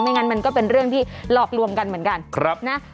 งั้นมันก็เป็นเรื่องที่หลอกลวงกันเหมือนกันนะ